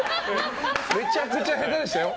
めちゃくちゃ下手でしたよ。